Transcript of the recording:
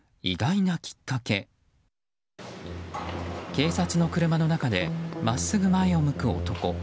警察の車の中で真っすぐ前を向く男。